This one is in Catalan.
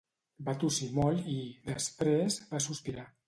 Va tossir molt i, després, va sospirar.